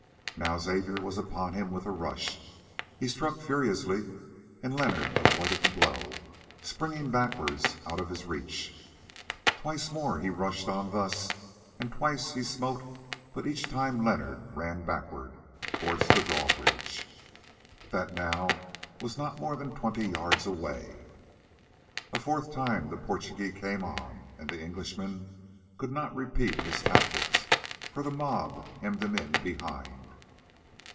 Now Xavier was upon him with a rush. He struck furiously, and Leonard avoided the blow, springing backwards out of his reach. Twice more he rushed on thus and twice he smote, but each time Leonard ran backward towards the drawbridge, that now was not more than twenty yards away. A fourth time the Portugee came on, and the Englishman could not repeat his tactics, for the mob hemmed him in behind.